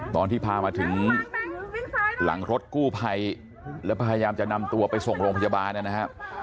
ตอนที่พามาถึงหลังรถกู้ภัยแล้วพยายามจะนำตัวไปส่งโรงพยาบาลนะครับ